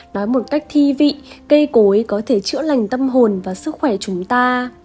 nói một cách thi vị cây cối có thể chữa lành tâm hồn và sức khỏe chúng ta